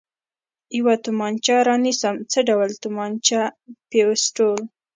یوه تومانچه را نیسم، څه ډول تومانچه؟ پېسټول.